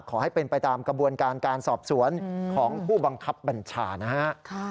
ขอให้เป็นไปตามกระบวนการการสอบสวนของผู้บังคับบัญชานะฮะ